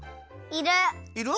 いる。